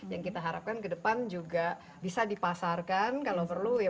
yang kita harapkan ke depan juga bisa dipasarkan kalau perlu ya